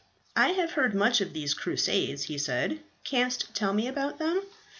"I have heard much of these Crusades," he said; "canst tell me about them?"